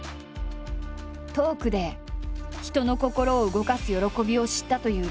トークで人の心を動かす喜びを知ったというＲＯＬＡＮＤ。